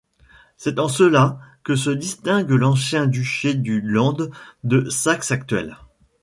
C'est en cela que se distingue l'ancien duché du Land de Saxe actuel.